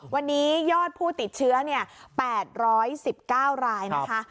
วันนี้ยอดผู้ติดเชื้อ๘๑๙รายนะคะ